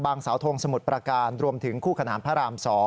สาวทงสมุทรประการรวมถึงคู่ขนานพระราม๒